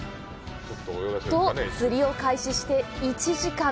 と、釣りを開始して１時間。